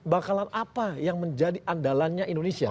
bakalan apa yang menjadi andalannya indonesia